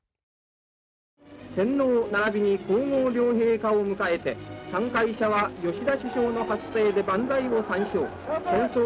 「天皇ならびに皇后両陛下をむかえて参会者は吉田首相の発声で万歳を三唱。